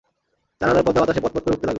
জানালার পর্দা বাতাসে পতপত করে উড়তে লাগল।